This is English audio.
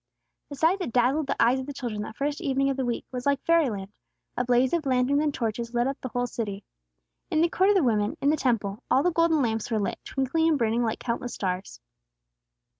The sight that dazzled the eyes of the children that first evening of the week, was like fairyland; a blaze of lanterns and torches lit up the whole city. In the Court of the Women, in the Temple, all the golden lamps were lit, twinkling and burning like countless stars.